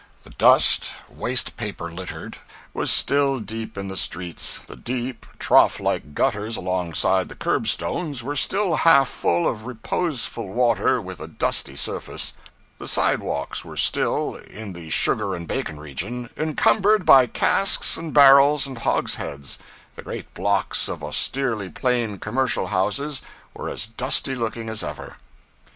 The dust, waste paper littered, was still deep in the streets; the deep, trough like gutters alongside the curbstones were still half full of reposeful water with a dusty surface; the sidewalks were still in the sugar and bacon region encumbered by casks and barrels and hogsheads; the great blocks of austerely plain commercial houses were as dusty looking as ever.